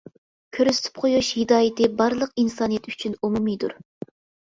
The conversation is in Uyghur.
كۆرسىتىپ قويۇش ھىدايىتى بارلىق ئىنسانىيەت ئۈچۈن ئومۇمىيدۇر.